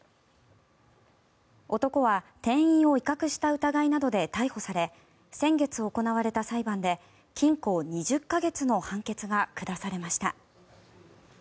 男は店員を威嚇した疑いなどで逮捕され先月行われた裁判で禁錮２０か月の判決が下されました。